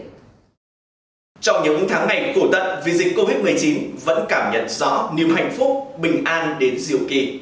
trong những tháng ngày cổ tận vì dịch covid một mươi chín vẫn cảm nhận rõ niềm hạnh phúc bình an đến diệu kỳ